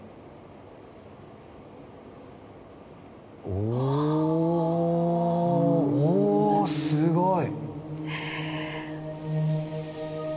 おおおすごい！